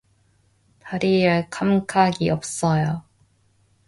다리에 감각이 없어요.